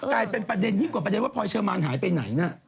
กลายเป็นประเด็นยิ่งกว่าประเด็นว่าพลอยเชอร์มานหายไปไหนนะ